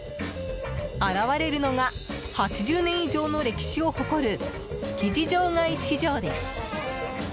現れるのが８０年以上の歴史を誇る築地場外市場です。